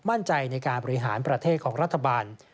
มั่นใจในการบริหารประเทศของรัฐบาล